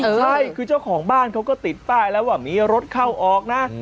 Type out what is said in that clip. ใช่คือเจ้าของบ้านเขาก็ติดป้ายแล้วว่ามีรถเข้าออกนะ